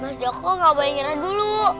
mas joko gak boleh nyerah dulu